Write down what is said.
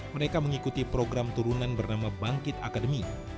mereka mengikuti program turunan bernama bangkit academy